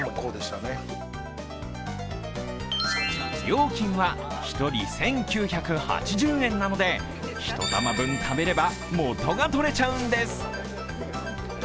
料金は１人１９８０円なので１玉分食べれば元が取れちゃうんです。